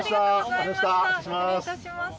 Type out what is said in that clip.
失礼いたします